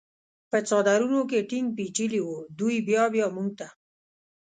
په څادرونو کې ټینګ پېچلي و، دوی بیا بیا موږ ته.